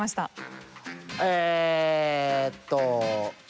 えっと